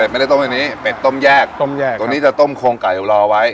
ไม่ได้ต้มอันนี้เป็ดต้มแยกต้มแยกตัวนี้จะต้มโครงไก่รอไว้